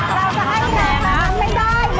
ราคาหมายความทุน๑๒๐๐บาทค่ะ